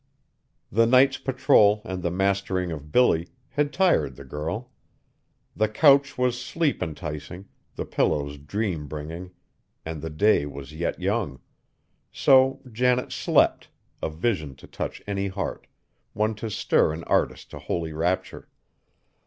The night's patrol, and the mastering of Billy, had tired the girl. The couch was sleep enticing, the pillows dream bringing, and the day was yet young; so Janet slept, a vision to touch any heart, one to stir an artist to holy rapture.